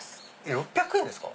６００円ですか？